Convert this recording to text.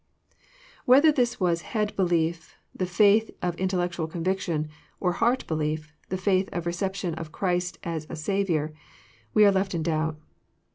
'] Whether this was head belief, the faith of intellectual conviction,— or heart belief, the faith of reception of Christ as a Saviour,— we are left in doubt.